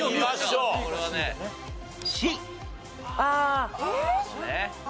Ｃ。